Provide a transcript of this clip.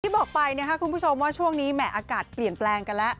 บอกไปนะครับคุณผู้ชมว่าช่วงนี้แหม่อากาศเปลี่ยนแปลงกันแล้ว